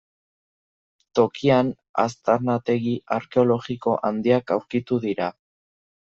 Tokian, aztarnategi arkeologiko handiak aurkitu dira.